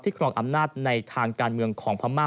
ครองอำนาจในทางการเมืองของพม่า